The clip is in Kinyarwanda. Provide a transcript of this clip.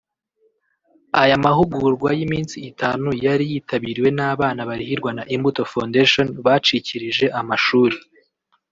Aya mahugurwa y’iminsi itanu yari yitabiriwe n’abana barihirwa na Imbuto Foundation bacikirije amashuri